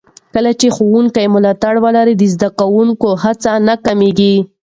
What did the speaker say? کله چې ښوونکي ملاتړ ولري، د زده کوونکو هڅه نه کمېږي.